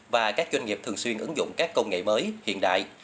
và các doanh nghiệp thường xuyên ứng dụng các công nghệ mới hiện đại